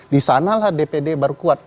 di sanalah dpd berkuat